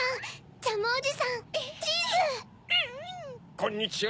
こんにちは。